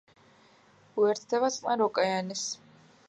უერთდება წყნარ ოკეანეს.